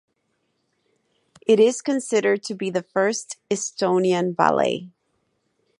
It is considered to be the first Estonian ballet.